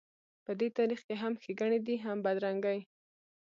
په دې تاریخ کې هم ښېګڼې دي هم بدرنګۍ.